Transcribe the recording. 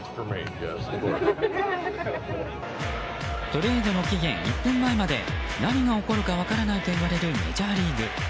トレードの期限１分前まで何が起こるか分からないといわれるメジャーリーグ。